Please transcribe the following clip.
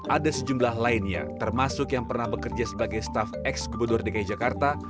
ada sejumlah lainnya termasuk yang pernah bekerja sebagai staff ex gubernur dki jakarta